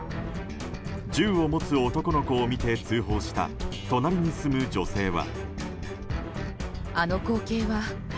銃を持つ男の子を見て通報した隣に住む女性は。